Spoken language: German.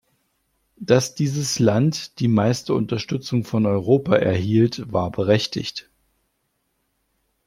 Dass dieses Land die meiste Unterstützung von Europa erhielt, war berechtigt.